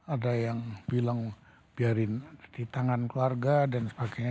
ada yang bilang biarin di tangan keluarga dan sebagainya